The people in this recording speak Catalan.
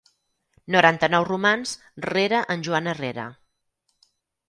Noranta-nou romans rere en Joan Herrera.